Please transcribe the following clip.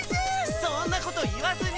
そんなこと言わずに！